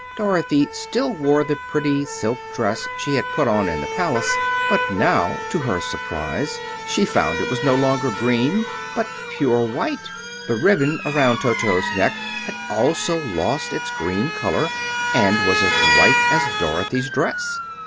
Dorothy still wore the pretty silk dress she had put on in the palace, but now, to her surprise, she found it was no longer green, but pure white. The ribbon around Toto's neck had also lost its green color and was as white as Dorothy's dress.